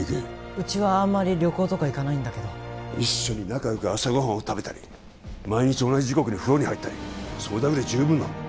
うちはあんまり旅行とか行かないんだけど一緒に仲良く朝ごはんを食べたり毎日同じ時刻に風呂に入ったりそれだけで十分なんだ